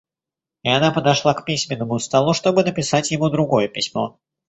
И она подошла к письменному столу, чтобы написать ему другое письмо.